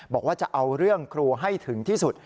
บอกว่าจะเอาเรื่องครูให้ถึงที่สุด